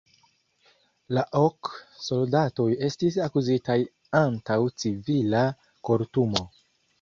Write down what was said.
La ok soldatoj estis akuzitaj antaŭ civila kortumo.